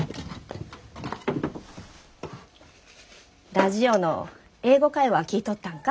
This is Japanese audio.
ラジオの「英語会話」聴いとったんか？